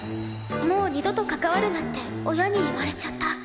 もう二度と関わるなって親に言われちゃった。